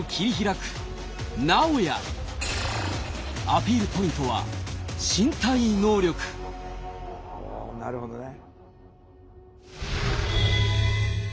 アピールポイントは身体能力おなるほどね。